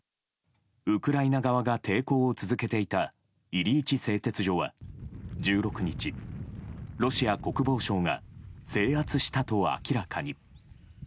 ウクライナ側が抵抗を続けていたイリイチ製鉄所は１６日、ロシア国防省が制圧したと明らかに。